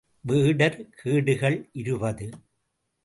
வேடர் கேடுகள் இருபது.